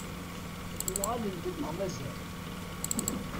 Uɣalent-d neɣ mazal?